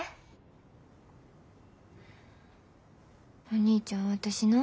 お兄ちゃん私な。